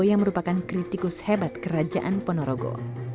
yang merupakan kritikus hebat kerajaan ponorogo